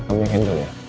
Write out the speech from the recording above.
kamu yang handle ya